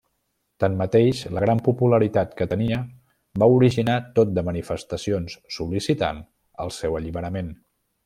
Tanmateix, la gran popularitat que tenia va originar tot de manifestacions sol·licitant el seu alliberament.